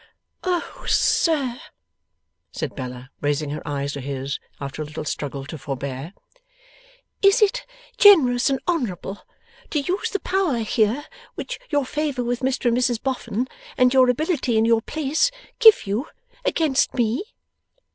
'Oh, sir!' said Bella, raising her eyes to his, after a little struggle to forbear, 'is it generous and honourable to use the power here which your favour with Mr and Mrs Boffin and your ability in your place give you, against me?